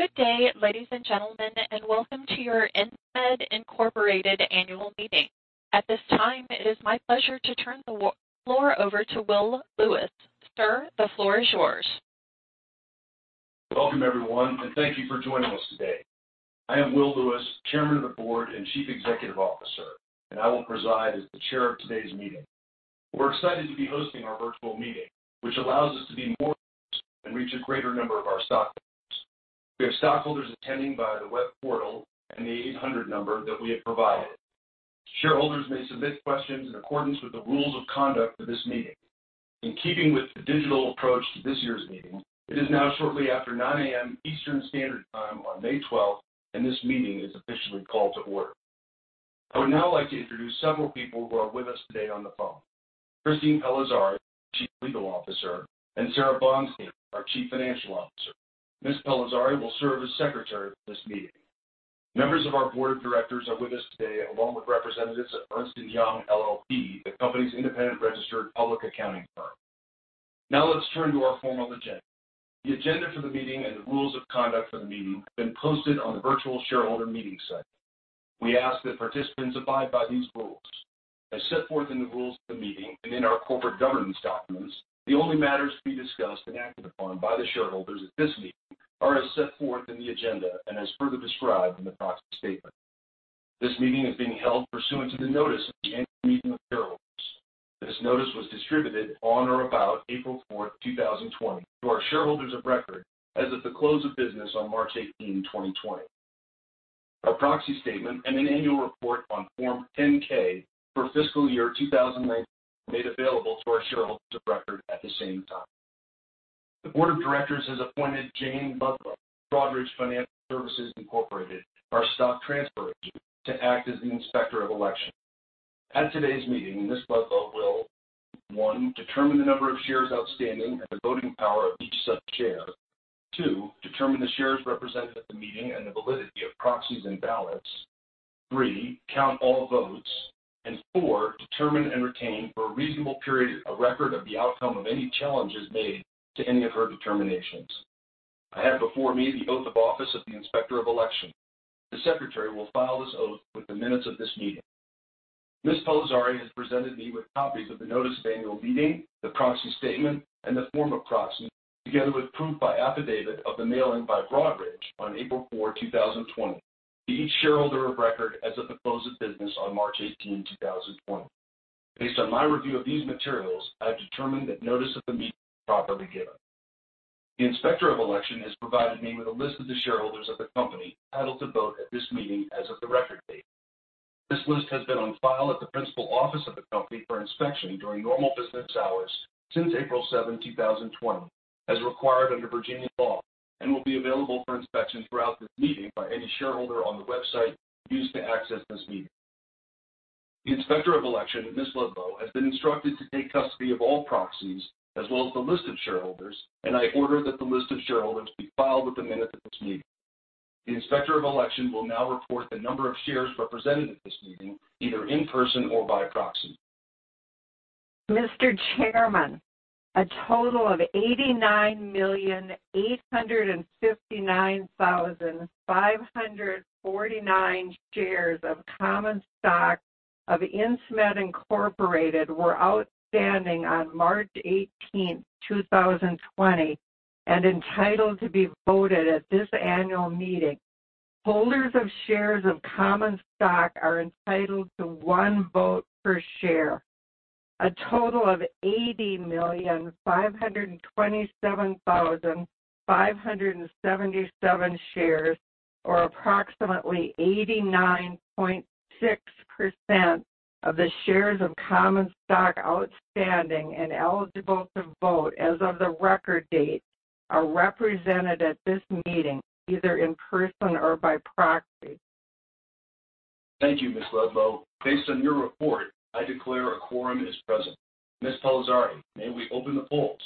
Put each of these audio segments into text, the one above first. Good day, ladies and gentlemen, and welcome to your Insmed Incorporated annual meeting. At this time, it is my pleasure to turn the floor over to Will Lewis. Sir, the floor is yours. Welcome, everyone, and thank you for joining us today. I am Will Lewis, Chairman of the Board and Chief Executive Officer, and I will preside as the chair of today's meeting. We're excited to be hosting our virtual meeting, which allows us to be more and reach a greater number of our stockholders. We have stockholders attending via the web portal and the 800 number that we have provided. Shareholders may submit questions in accordance with the rules of conduct for this meeting. In keeping with the digital approach to this year's meeting, it is now shortly after 9:00 A.M. Eastern Standard Time on May 12, and this meeting is officially called to order. I would now like to introduce several people who are with us today on the phone. Christine Pellizzari, Chief Legal Officer, and Sara Bonstein, our Chief Financial Officer. Ms. Pellizzari will serve as secretary of this meeting. Members of our board of directors are with us today, along with representatives at Ernst & Young LLP, the company's independent registered public accounting firm. Let's turn to our formal agenda. The agenda for the meeting and the rules of conduct for the meeting have been posted on the virtual shareholder meeting site. We ask that participants abide by these rules. As set forth in the rules of the meeting and in our corporate governance documents, the only matters to be discussed and acted upon by the shareholders at this meeting are as set forth in the agenda and as further described in the proxy statement. This meeting is being held pursuant to the notice of the annual meeting of shareholders. This notice was distributed on or about April fourth, 2020 to our shareholders of record as of the close of business on March 18th, 2020. Our proxy statement and an annual report on Form 10-K for fiscal year 2019 made available to our shareholders of record at the same time. The board of directors has appointed Jane Ludlow, Broadridge Financial Solutions, Inc., our stock transfer agent, to act as the inspector of election. At today's meeting, Ms. Ludlow will, one, determine the number of shares outstanding and the voting power of each such share. Two, determine the shares represented at the meeting and the validity of proxies and ballots. Three, count all votes. Four, determine and retain for a reasonable period a record of the outcome of any challenges made to any of her determinations. I have before me the oath of office of the inspector of election. The secretary will file this oath with the minutes of this meeting. Ms. Pellizzari has presented me with copies of the notice of annual meeting, the proxy statement, and the form of proxy, together with proof by affidavit of the mailing by Broadridge on April 4th, 2020 to each shareholder of record as of the close of business on March 18th, 2020. Based on my review of these materials, I have determined that notice of the meeting was properly given. The inspector of election has provided me with a list of the shareholders of the company entitled to vote at this meeting as of the record date. This list has been on file at the principal office of the company for inspection during normal business hours since April seventh, 2020, as required under Virginia law, and will be available for inspection throughout this meeting by any shareholder on the website used to access this meeting. The inspector of election, Ms. Ludlow, has been instructed to take custody of all proxies as well as the list of shareholders, and I order that the list of shareholders be filed with the minutes of this meeting. The inspector of election will now report the number of shares represented at this meeting, either in person or by proxy. Mr. Chairman, a total of 89,859,549 shares of common stock of Insmed Incorporated were outstanding on March eighteenth, 2020 and entitled to be voted at this annual meeting. Holders of shares of common stock are entitled to one vote per share. A total of 80,527,577 shares, or approximately 89.6% of the shares of common stock outstanding and eligible to vote as of the record date, are represented at this meeting, either in person or by proxy. Thank you, Ms. Ludlow. Based on your report, I declare a quorum is present. Ms. Pellizzari, may we open the polls?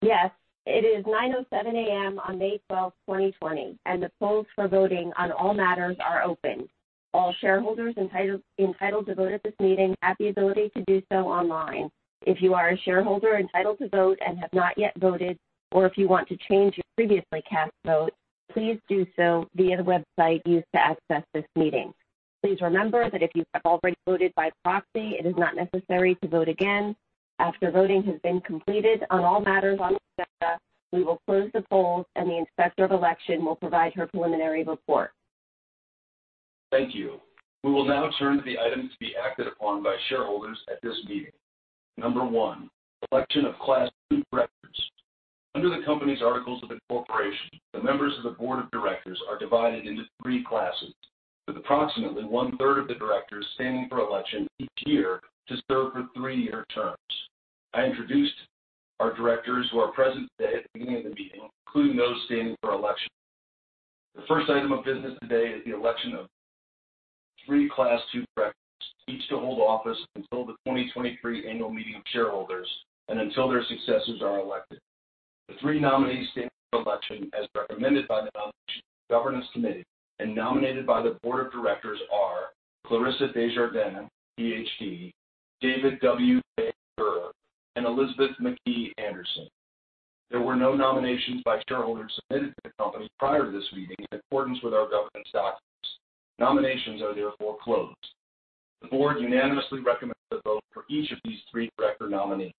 Yes. It is 9:07 A.M. on May 12, 2020, and the polls for voting on all matters are open. All shareholders entitled to vote at this meeting have the ability to do so online. If you are a shareholder entitled to vote and have not yet voted, or if you want to change your previously cast vote, please do so via the website used to access this meeting. Please remember that if you have already voted by proxy, it is not necessary to vote again. After voting has been completed on all matters on the agenda, we will close the polls, and the inspector of election will provide her preliminary report. Thank you. We will now turn to the items to be acted upon by shareholders at this meeting. Number one, election of class II directors. Under the company's articles of incorporation, the members of the board of directors are divided into three classes, with approximately one-third of the directors standing for election each year to serve for three-year terms. I introduced our directors who are present today at the beginning of the meeting, including those standing for election. The first item of business today is the election of three class II directors, each to hold office until the 2023 annual meeting of shareholders and until their successors are elected. The three nominees standing for election as recommended by the Governance Committee and nominated by the board of directors are Clarissa Desjardins, PhD, David W.J. McGirr, and Elizabeth McKee Anderson. There were no nominations by shareholders submitted to the company prior to this meeting in accordance with our governance documents. Nominations are therefore closed. The board unanimously recommends a vote for each of these three director nominees.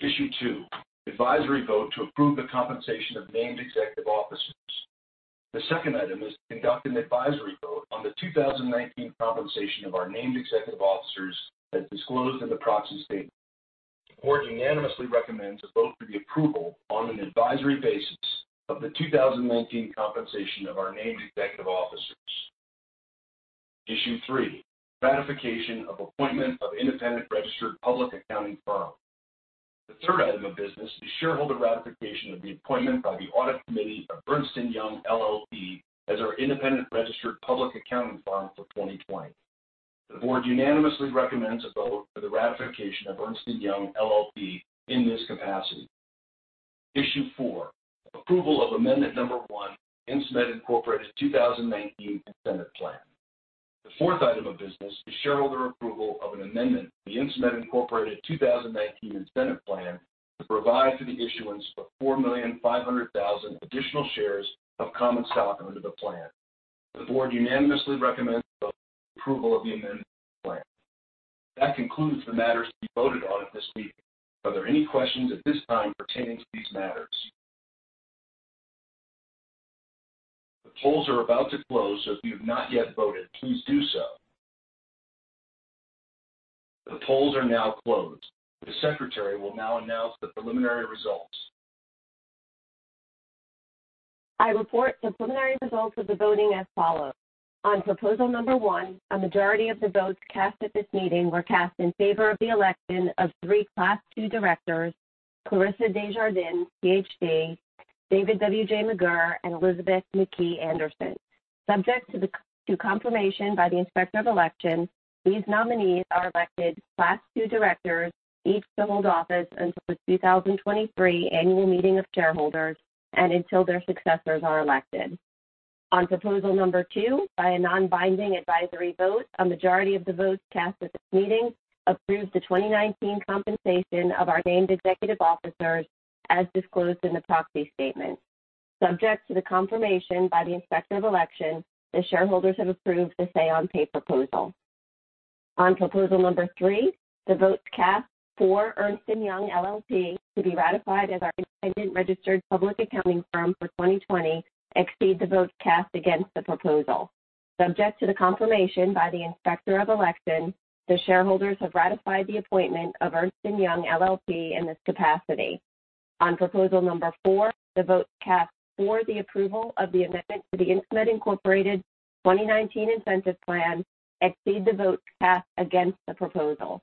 Issue two, advisory vote to approve the compensation of named executive officers. The second item is to conduct an advisory vote on the 2019 compensation of our named executive officers as disclosed in the proxy statement. The board unanimously recommends a vote for the approval on an advisory basis of the 2019 compensation of our named executive officers. Issue three, ratification of appointment of independent registered public accounting firm. The third item of business is shareholder ratification of the appointment by the Audit Committee of Ernst & Young LLP as our independent registered public accounting firm for 2020. The board unanimously recommends a vote for the ratification of Ernst & Young LLP in this capacity. Issue 4, approval of amendment number one, Insmed Incorporated 2019 Incentive Plan. The fourth item of business is shareholder approval of an amendment to the Insmed Incorporated 2019 Incentive Plan to provide for the issuance of 4,500,000 additional shares of common stock under the plan. The board unanimously recommends vote for approval of the amendment to the plan. That concludes the matters to be voted on at this meeting. Are there any questions at this time pertaining to these matters? The polls are about to close, so if you have not yet voted, please do so. The polls are now closed. The secretary will now announce the preliminary results. I report the preliminary results of the voting as follows. On proposal number one, a majority of the votes cast at this meeting were cast in favor of the election of three class II directors, Clarissa Desjardins, PhD, David W.J. McGirr, and Elizabeth McKee Anderson. Subject to confirmation by the Inspector of Election, these nominees are elected class II directors, each to hold office until the 2023 Annual Meeting of Shareholders and until their successors are elected. On proposal number two, by a non-binding advisory vote, a majority of the votes cast at this meeting approved the 2019 compensation of our named executive officers as disclosed in the proxy statement. Subject to the confirmation by the Inspector of Election, the shareholders have approved the say-on-pay proposal. On proposal number three, the votes cast for Ernst & Young LLP to be ratified as our independent registered public accounting firm for 2020 exceed the votes cast against the proposal. Subject to the confirmation by the Inspector of Election, the shareholders have ratified the appointment of Ernst & Young LLP in this capacity. On proposal number four, the votes cast for the approval of the amendment to the Insmed Incorporated 2019 Incentive Plan exceed the votes cast against the proposal.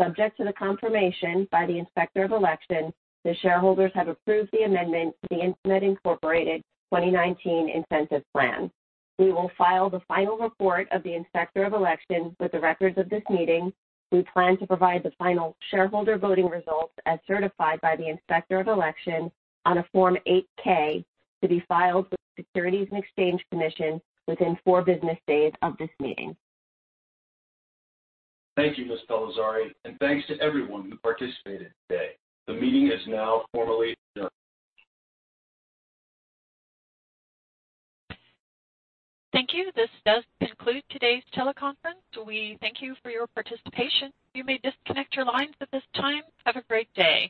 Subject to the confirmation by the Inspector of Election, the shareholders have approved the amendment to the Insmed Incorporated 2019 Incentive Plan. We will file the final report of the Inspector of Election with the records of this meeting. We plan to provide the final shareholder voting results as certified by the inspector of election on a Form 8-K to be filed with the Securities and Exchange Commission within four business days of this meeting. Thank you, Ms. Pellizzari, and thanks to everyone who participated today. The meeting is now formally adjourned. Thank you. This does conclude today's teleconference. We thank you for your participation. You may disconnect your lines at this time. Have a great day.